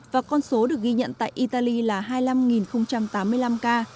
và con số được ghi nhận tại italy là hai mươi năm tám mươi năm ca